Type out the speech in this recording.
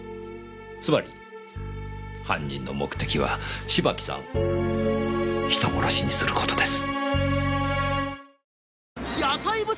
つまり犯人の目的は芝木さんを人殺しにする事です。